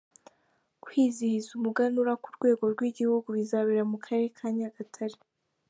kwizihiza umuganura ku rwego rw’ igihugu, bizabera mu karere ka Nyagatare.